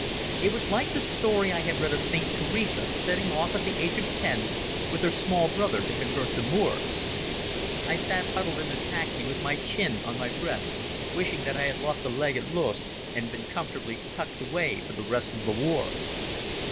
It was like the story I had read of Saint Teresa setting off at the age of ten with her small brother to convert the Moors. I sat huddled in the taxi with my chin on my breast, wishing that I had lost a leg at Loos and been comfortably tucked away for the rest of the war.